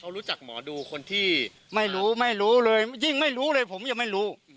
เขารู้จักหมอดูคนที่ไม่รู้ไม่รู้เลยยิ่งไม่รู้เลยผมยังไม่รู้